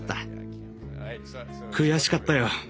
悔しかったよ。